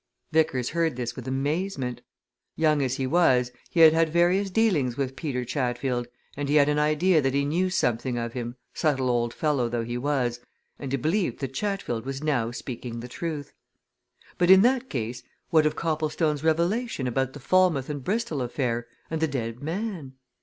Vickers heard this with amazement. Young as he was, he had had various dealings with Peter Chatfield, and he had an idea that he knew something of him, subtle old fellow though he was, and he believed that Chatfield was now speaking the truth. But, in that case, what of Copplestone's revelation about the Falmouth and Bristol affair and the dead man?